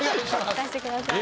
任せてください。